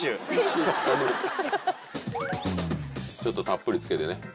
ちょっとたっぷり付けてね。